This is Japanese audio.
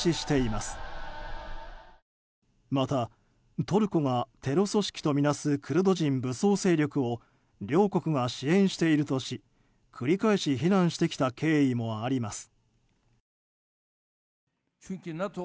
またトルコがテロ組織とみなすクルド人武装勢力を両国が支援しているとし繰り返し非難してきた経緯もあります。